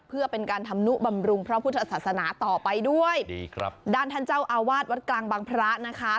เพื่อเป็นการทำนุบำรุงพระพุทธศาสนาต่อไปด้วยดีครับด้านท่านเจ้าอาวาสวัดกลางบางพระนะคะ